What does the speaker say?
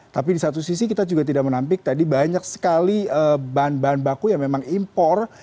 tapi di satu sisi kita juga tidak menampik tadi banyak sekali bahan bahan baku yang memang impor